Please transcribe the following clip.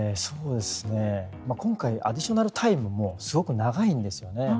今回アディショナルタイムもすごく長いんですよね。